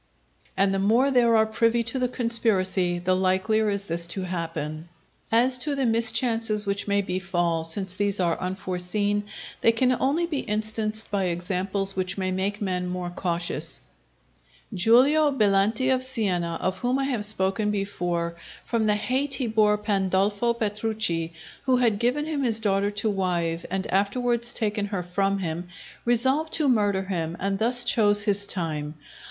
And the more there are privy to the conspiracy, the likelier is this to happen. As to the mischances which may befall, since these are unforeseen, they can only be instanced by examples which may make men more cautious. Giulio Belanti of Siena, of whom I have spoken before, from the hate he bore Pandolfo Petrucci, who had given him his daughter to wife and afterwards taken her from him, resolved to murder him, and thus chose his time.